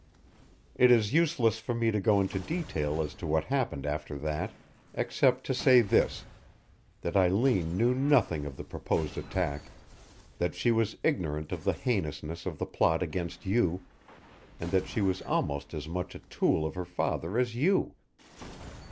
It is useless for me to go into detail as to what happened after that, except to say this that Eileen knew nothing of the proposed attack, that she was ignorant of the heinousness of the plot against you, and that she was almost as much a tool of her father as you.